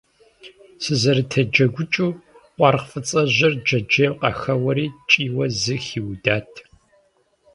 Сызэрытеджэгукӏыу, къуаргъ фӏыцӏэжьыр джэджьейм къахэуэри, кӏийуэ зы хиудат.